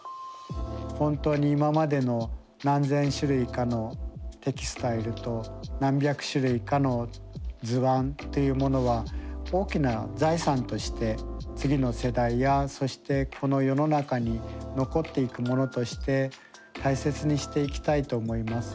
本当に今までの何千種類かのテキスタイルと何百種類かの図案というものは大きな財産として次の世代やそしてこの世の中に残っていくものとして大切にしていきたいと思います。